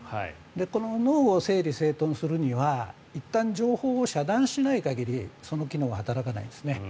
この脳を整理整頓するにはいったん情報を遮断しない限りその機能は働かないんですね。